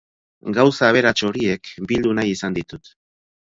Gauza aberats horiek bildu nahi izan ditut.